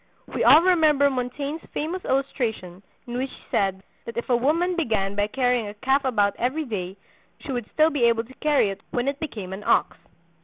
We all remember Montaigne's famous illustration in which he said that if a woman began by carrying a calf about every day she would still be able to carry it when it became an ox.